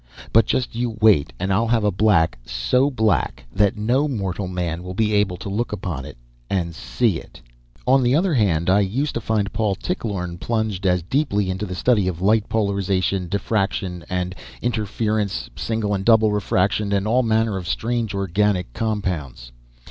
But just you wait, and I'll have a black so black that no mortal man will be able to look upon it—and see it!" On the other hand, I used to find Paul Tichlorne plunged as deeply into the study of light polarization, diffraction, and interference, single and double refraction, and all manner of strange organic compounds.